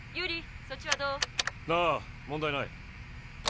ああ問題ない。